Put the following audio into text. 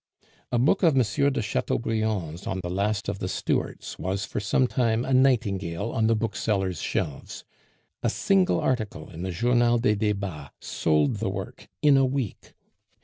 A book of M. de Chateaubriand's on the last of the Stuarts was for some time a "nightingale" on the bookseller's shelves. A single article in the Journal des Debats sold the work in a week.